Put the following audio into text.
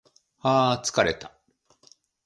はー疲れた